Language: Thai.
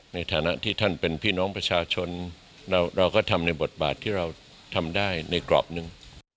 ในฐานะที่ท่านเป็นพี่น้องประชาชนเราก็ทำในบทบาทที่เราทำได้ในกรอบหนึ่ง